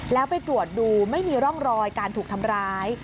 แล้วไปตรวจดูไม่มีร่องรอยการถูกทำร้าย